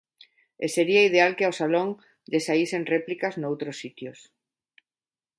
E sería ideal que ao Salón lle saísen réplicas noutros sitios.